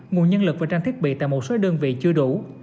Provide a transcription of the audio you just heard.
nguồn nhân lực và trang thiết bị tại một số đơn vị chưa đủ